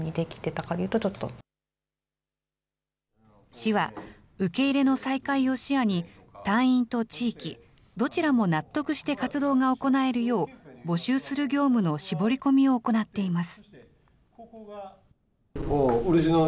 市は、受け入れの再開を視野に、隊員と地域、どちらも納得して活動が行えるよう、募集する業務の絞り込みを行っています。